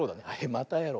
またやろう！